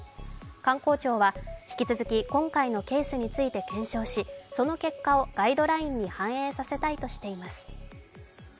観光庁は、引き続き今回のケースについて検証しその結果をガイドラインに反映させたいとしています。